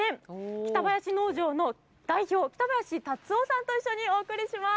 北林農場の代表、北林辰男さんと一緒にお送りします。